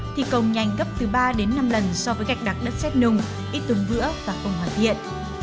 thi công nhanh gấp từ ba đến năm lần so với gạch đặc đất xét nung ít tung vữa và không hoàn thiện